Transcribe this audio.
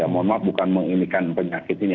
mohon maaf bukan menginikan penyakit ini